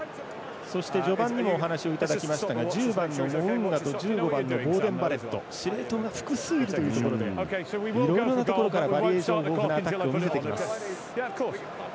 そして序盤にもお話をいただきましたが１０番のモウンガと１５番のボーデン・バレット司令塔が複数いるというところでいろいろなところからバリエーション豊富なアタックを見せてきます。